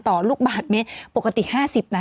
ต่อลูกบาทเม็ดปกติ๕๐นะ